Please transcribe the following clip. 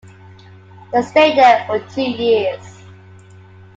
They stayed there for two years.